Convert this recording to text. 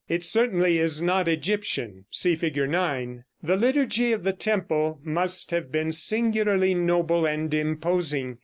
It certainly is not Egyptian. (See Fig. 9.) The liturgy of the temple must have been singularly noble and imposing.